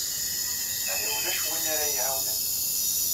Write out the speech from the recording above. Ɛni ulac win ara yi-iɛawnen?